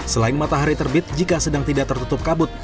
selain matahari terbit jika sedang tidak tertutup kabut